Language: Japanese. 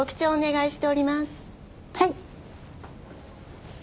はい。